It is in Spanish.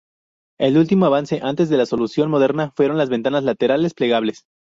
El último avance antes de la solución moderna fueron las ventanas laterales plegables.